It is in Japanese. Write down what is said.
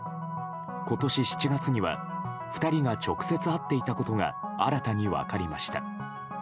今年７月には２人が直接会っていたことが新たに分かりました。